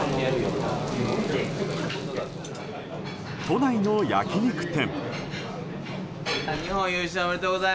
都内の焼き肉店。